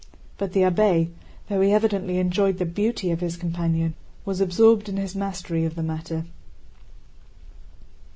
But the abbé, though he evidently enjoyed the beauty of his companion, was absorbed in his mastery of the matter.